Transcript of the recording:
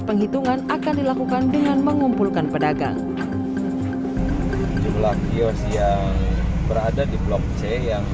penghitungan akan dilakukan dengan mengumpulkan pedagang jumlah kios yang berada di blok c yang